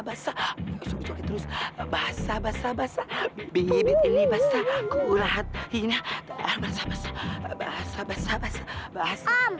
basah basah basah basah basah basah basah basah basah basah basah basah basah basah basah basah